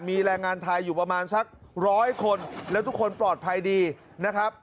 มีแรงงานไทยอยู่ประมาณสักร้อยคนแล้วทุกคนปลอดภัยดีนะครับ